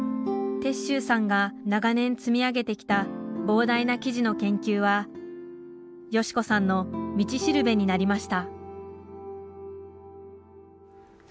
鉄舟さんが長年積み上げてきた膨大な生地の研究は佳子さんの道しるべになりました